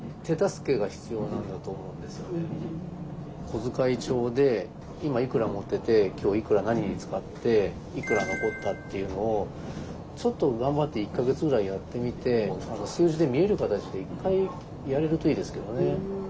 小遣い帳で今いくら持ってて今日いくら何に使っていくら残ったっていうのをちょっと頑張って１か月ぐらいやってみて数字で見える形で一回やれるといいですけどね。